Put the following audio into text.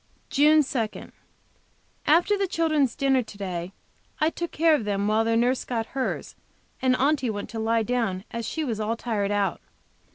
JUNE 2. After the children's dinner to day I took care of them while their nurse got hers and Aunty went to lie down, as she is all tired out.